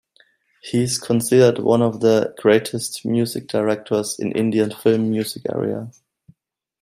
He is considered one of the greatest music directors in Indian film music arena.